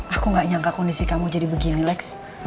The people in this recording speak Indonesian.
aku gak nyangka kondisi kamu jadi begini lex